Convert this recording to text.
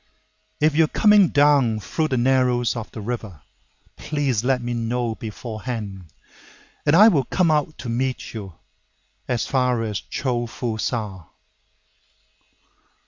If you are coming down through the narrows of the river, Please let me know beforehand, And I will come out to meet you, As far as Cho fu Sa.